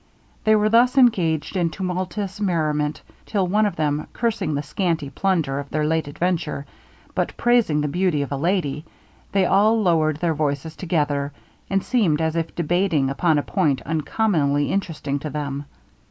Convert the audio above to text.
They were thus engaged in tumultuous merriment, till one of them cursing the scanty plunder of their late adventure, but praising the beauty of a lady, they all lowered their voices together, and seemed as if debating upon a point uncommonly interesting to them.